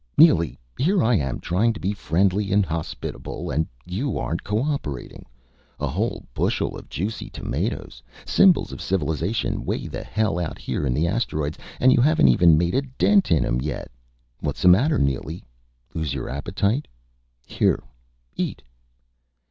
Neely here I am, trying to be friendly and hospitable, and you aren't co operating. A whole bushel of juicy tomatoes symbols of civilization way the hell out here in the asteroids and you haven't even made a dent in 'em yet! What's the matter, Neely? Lose your appetite? Here! Eat!..."